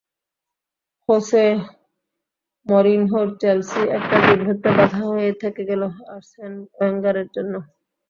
Jose মরিনহোর Chelsea একটা দুর্ভেদ্য বাধা হয়েই থেকে গেল আর্সেন ওয়েঙ্গারের জন্য।